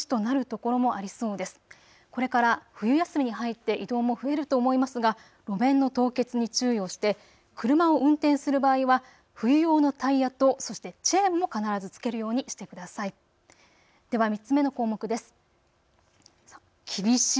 これから冬休みに入って移動も増えると思いますが、路面の凍結に注意をして車を運転する場合は冬用のタイヤとそしてチェーンも必ずつけるようにしてください。